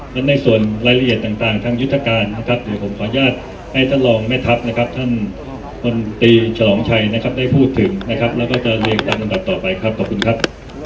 และในส่วนรายละเอียดต่างทางยุทธการนะครับเดี๋ยวผมขออนุญาตให้ท่านรองแม่ทัพนะครับท่านพลตรีฉลองชัยนะครับได้พูดถึงนะครับแล้วก็จะเรียนตามลำดับต่อไปครับขอบคุณครับ